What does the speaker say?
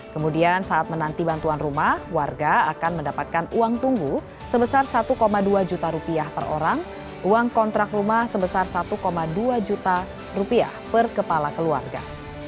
kemudian saat menanti bantuan rumah warga akan mendapatkan uang tunggu sebesar satu dua juta rupiah per orang uang kontrak rumah sebesar satu dua juta rupiah per kepala keluarga